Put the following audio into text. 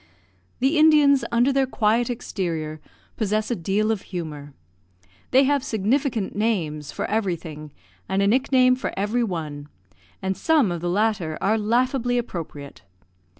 The Indians, under their quiet exterior, possess a deal of humour. They have significant names for everything, and a nickname for every one, and some of the latter are laughably appropriate.